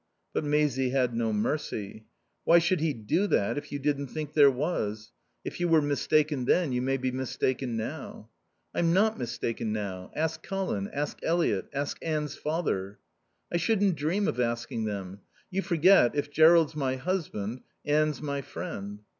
But Maisie had no mercy. "Why should he do that if you didn't think there was? If you were mistaken then you may be mistaken now." "I'm not mistaken now. Ask Colin, ask Eliot, ask Anne's father." "I shouldn't dream of asking them. You forget, if Jerrold's my husband, Anne's my friend."